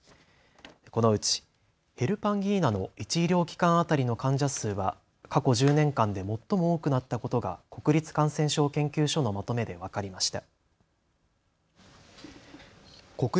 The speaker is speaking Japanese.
このうちヘルパンギーナの１医療機関当たりの患者数は過去１０年間で最も多くなったことが国立感染症研究所のまとめで分かりました。